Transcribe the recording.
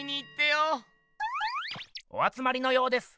おあつまりのようです。